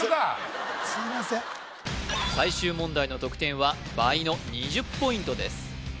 最終問題の得点は倍の２０ポイントです